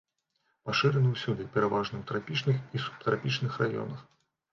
Пашыраны ўсюды, пераважна ў трапічных і субтрапічных раёнах.